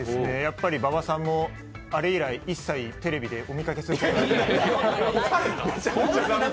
やっぱり馬場さんもあれ以来、テレビでお見かけすることない。